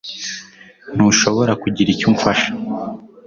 Ntushobora kugira icyo umfasha